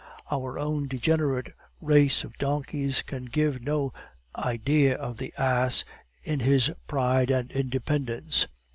Our own degenerate race of donkeys can give no idea of the ass in his pride and independence.